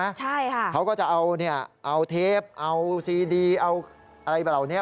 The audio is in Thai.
ใช่ค่ะเขาก็จะเอาเนี่ยเอาเทปเอาซีดีเอาอะไรแบบเหล่านี้